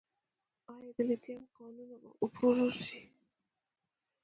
آیا د لیتیم کانونه به وپلورل شي؟